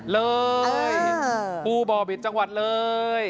เลยภูบ่อบิตจังหวัดเลย